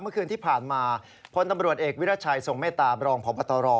เมื่อคืนที่ผ่านมาพลตำรวจเอกวิรัชัยทรงเมตตาบรองพบตร